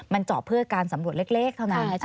มันเจาะเพื่อการสำรวจเล็กเท่านั้น